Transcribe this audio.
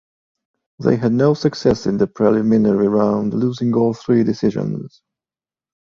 They had no success in the preliminary round, losing all three decisions.